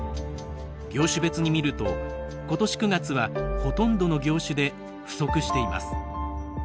業種別に見ると今年９月はほとんどの業種で不足しています。